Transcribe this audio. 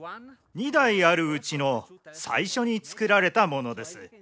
２台あるうちの最初に造られたものです。